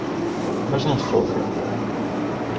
Mas não sofra.